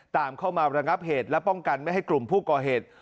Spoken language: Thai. ตามเข้ามาระงับเหตุและป้องกันไม่ให้กลุ่มผู้ก่อเหตุ